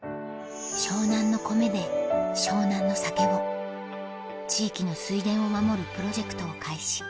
湘南の米で湘南の酒を地域の水田を守るプロジェクトを開始